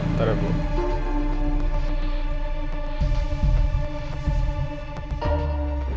bentar ya bu